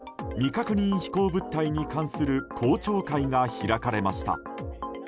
ＵＦＯ・未確認飛行物体に関する公聴会が開かれました。